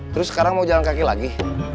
terus sekarang mau jalan kaki lagi